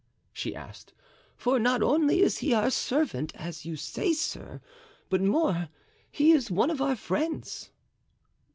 she asked; "for not only is he our servant, as you say, sir, but more—he is one of our friends."